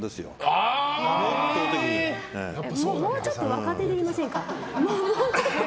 もうちょっと若手でいませんか？